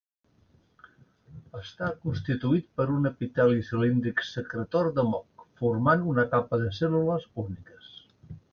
Està constituït per un epiteli cilíndric secretor de moc, formant una capa de cèl·lules úniques.